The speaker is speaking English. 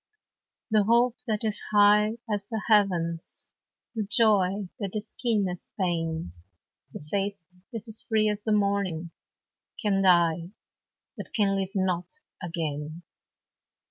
The hope that is high as the heavens, The joy that is keen as pain, The faith that is free as the morning, Can die but can live not again.